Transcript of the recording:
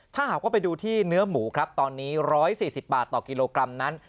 ถ้าหากว่าไปดูที่เนื้อหมูครับตอนนี้๑๔๐บาทต่อกิโลกรัมนั้น